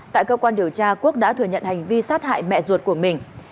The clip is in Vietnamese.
tại cơ quan điều tra quốc đã thừa nhận hành vi sát hại mẹ ruột của mình